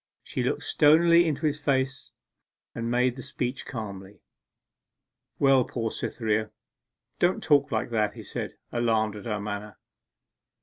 She looked stonily into his face and made the speech calmly. 'Well, poor Cytherea, don't talk like that!' he said, alarmed at her manner.